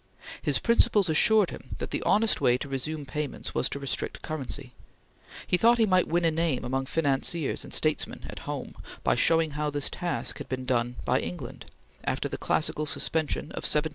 His principles assured him that the honest way to resume payments was to restrict currency. He thought he might win a name among financiers and statesmen at home by showing how this task had been done by England, after the classical suspension of 1797 1821.